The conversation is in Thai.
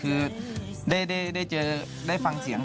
เพราะว่าใจแอบในเจ้า